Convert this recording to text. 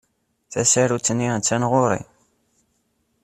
Tasarut-nni attan ɣur-i.